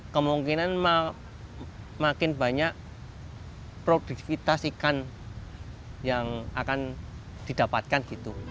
kemungkinan makin banyak produktivitas ikan yang akan didapatkan gitu